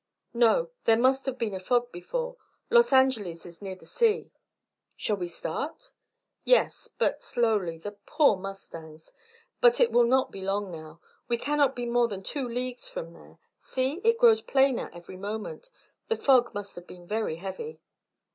"No. There must have been a fog before; Los Angeles is near the sea." "Shall we start?" "Yes, but slowly. The poor mustangs! But it will not be long now. We cannot be more than two leagues from there. See, it grows plainer every moment; the fog must have been very heavy."